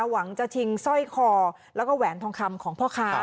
หวังจะชิงสร้อยคอแล้วก็แหวนทองคำของพ่อค้า